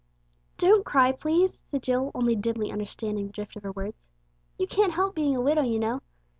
"Don't cry, please," said Jill, only dimly understanding the drift of her words. "You can't help being a widow, you know.